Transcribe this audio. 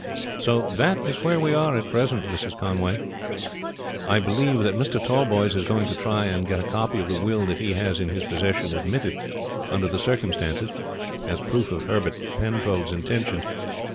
So that is where we are at present, Mrs. Conway. I believe that Mr. Tallboys is going to try and get a copy of the will that he has in his possession admitted under the circumstances as proof of Herbert Penfold's intentions.